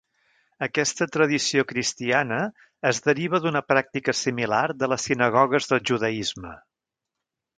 Aquesta tradició cristiana es deriva d'una pràctica similar de les sinagogues del judaisme.